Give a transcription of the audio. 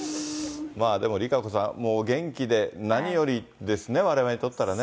でもＲＩＫＡＣＯさん、元気で何よりですね、われわれにとったらね。